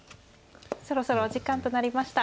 そろそろお時間となりました。